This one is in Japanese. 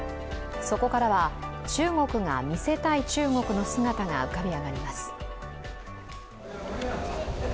そこからは中国が見せたい中国の姿が浮かび上がります。